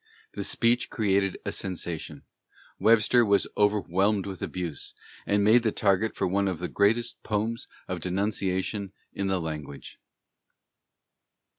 The speech created a sensation; Webster was overwhelmed with abuse, and made the target for one of the greatest poems of denunciation in the language.